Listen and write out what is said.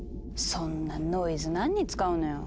そんなノイズ何に使うのよ。